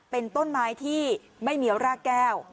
เป็นต้นไม้ที่ไม่มีรากแก้ว